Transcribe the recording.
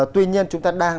tuy nhiên chúng ta đang là